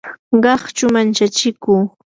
qaqchu manchachiku